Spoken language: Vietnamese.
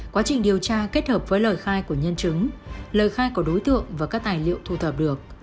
quá trình điều tra kết hợp với lời khai của nhân chứng lời khai của đối tượng và các tài liệu thu thập được